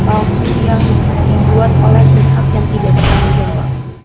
baik itu instagram